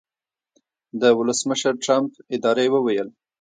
د ولسمشرټرمپ ادارې وویل